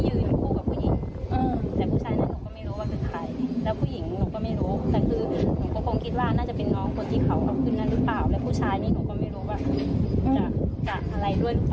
และผู้ชายนี้หนูก็ไม่รู้ว่าจะอะไรด้วยหรือเปล่า